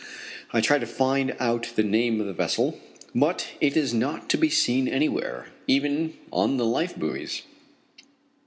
I try to find out the name of the vessel, but it is not to be seen anywhere, even on the life buoys.